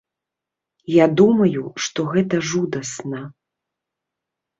Я думаю, што гэта жудасна.